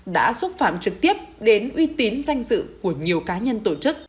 đã xúc phạm trực tiếp đến uy tín danh dự của nhiều cá nhân tổ chức